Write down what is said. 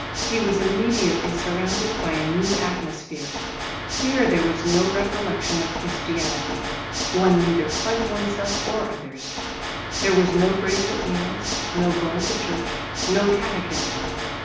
He was immediately surrounded by a new atmosphere. Here there was no recollection of Christianity; one neither plagued oneself or others; there was no grace at meals, no going to church, no catechism.